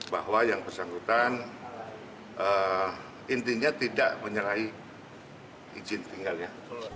bahwa yang bersangkutan intinya tidak menyerahi izin tinggalnya